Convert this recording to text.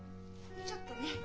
ちょっとね。